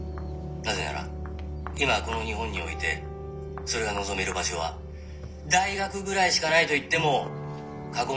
なぜなら今この日本においてそれが望める場所は大学ぐらいしかないと言っても過言ではないからです。